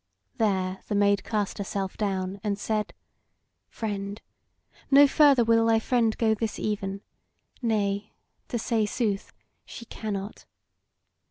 There the Maid cast herself down and said: "Friend, no further will thy friend go this even; nay, to say sooth, she cannot.